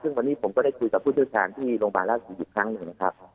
ซึ่งวันนี้ผมก็ได้คุยกับผู้เชี่ยวชาญที่โรงพยาบาลราชศรีอีกครั้งหนึ่งนะครับ